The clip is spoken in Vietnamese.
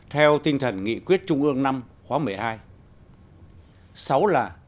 theo tinh thần nghị quyết trung ương năm khóa một mươi hai